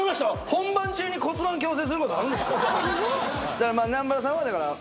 本番中に骨盤矯正することあるんですか？